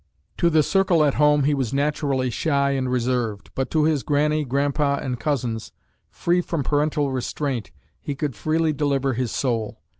To the circle at home he was naturally shy and reserved, but to his Grannie, Grandpa, and Cousins, free from parental restraint, he could freely deliver his soul.